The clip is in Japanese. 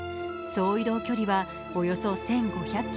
総移動距離はおよそ１５００ｋｍ。